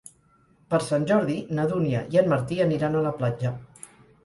Per Sant Jordi na Dúnia i en Martí aniran a la platja.